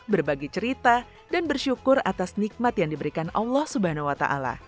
berbagi cerita dan bersyukur atas nikmat yang diberikan allah swt